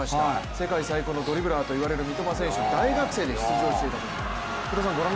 世界最高のドリブラーといわれる三笘選手、大学生で出場していたときのものです。